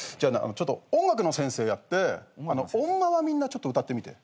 ちょっと音楽の先生やって『おんまはみんな』歌ってみて。